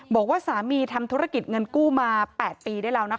บอกว่าสามีทำธุรกิจเงินกู้มา๘ปีได้แล้วนะคะ